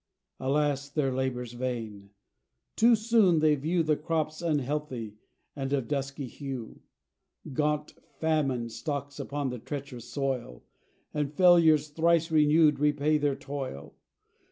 Alas, their labour's vain! Too soon they view The crops unhealthy, and of dusky hue; Gaunt famine stalks upon the treach'rous soil, And failures thrice renewed repay their toil.